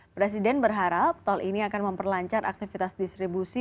presiden berharap tol ini akan memperlancar aktivitas distribusi